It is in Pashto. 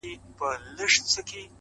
خير دی دى كه اوسيدونكى ستا د ښار دى